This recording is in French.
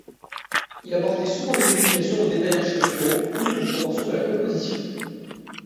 Il apportait souvent des modifications aux détails architecturaux ou aux proportions de la composition.